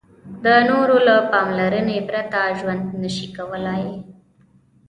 د نورو له پاملرنې پرته ژوند نشي کولای.